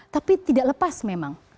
tapi tidak lepas memang